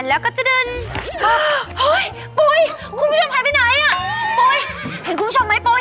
แล้วก็จะเดินเฮ้ยปุ๊ยคุณผู้ชมพาไปไหนอ่ะปุ๊ยเห็นคุณผู้ชมไหมปุ๊ย